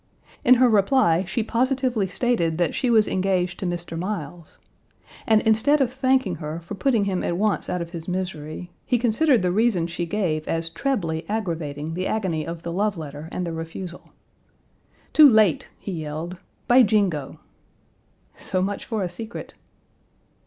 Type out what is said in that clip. In her reply, she positively stated that she was engaged to Mr. Miles, and instead of thanking her for putting him at once out of his misery, he considered the reason she gave as trebly aggravating the agony of the love letter and the refusal. "Too late!" he yelled, "by Jingo!" So much for a secret.